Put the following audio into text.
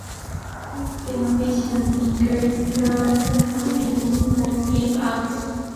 His renovations include provision for live acts.